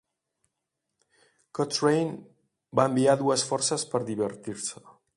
Cochrane va enviar dues forces per divertir-se.